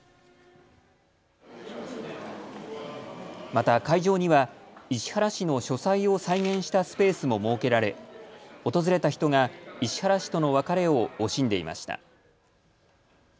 また会場には石原氏の書斎を再現したスペースも設けられ、訪れた人が石原氏との別れを惜しんでいました。